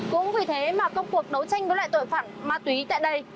cũng vì thế mà công cuộc đấu tranh đối lại tội phạm ma túy tại đây